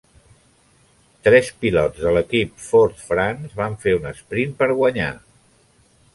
Tres pilots de l'equip Ford-France van fer un esprint per guanyar.